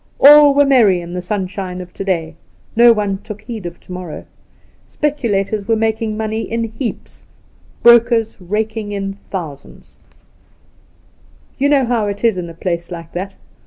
All were merry in the sunshine of to day. No one took heed of to morrow. Speculators were making money in heaps ; brokers raking in thousands. The Outspan 27 ' You know how it is in a place like that.